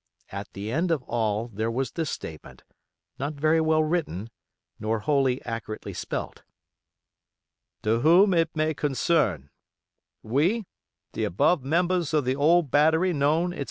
At the end of all there was this statement, not very well written, nor wholly accurately spelt: "To Whom it may Concern: We, the above members of the old battery known, etc.